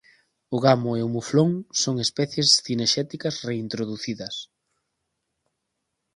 O gamo e o muflón son especies cinexéticas reintroducidas.